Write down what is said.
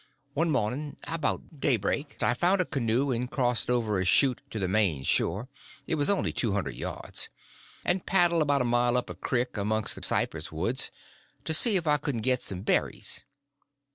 One morning about daybreak I found a canoe and crossed over a chute to the main shore—it was only two hundred yards—and paddled about a mile up a crick amongst the cypress woods, to see if I couldn't get some berries.